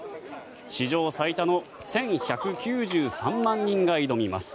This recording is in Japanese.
史上最多の１１９３万人が挑みます。